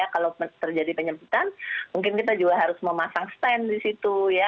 kalau terjadi penyempitan mungkin kita juga harus memasang stand di situ ya